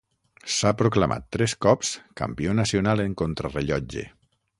S'ha proclamat tres cops campió nacional en contrarellotge.